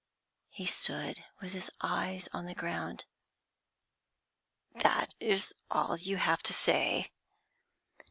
He stood with his eyes on the ground. 'That is all you have to say?'